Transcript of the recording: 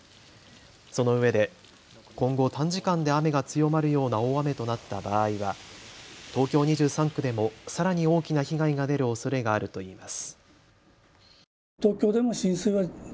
そのうえで今後、短時間で雨が強まるような大雨となった場合は東京２３区でもさらに大きな被害が出るおそれがあるといいます。